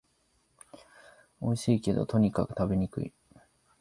おいしいけど、とにかく食べにくい